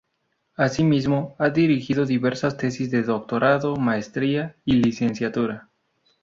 Asimismo, ha dirigido diversas tesis de doctorado, maestría y licenciatura.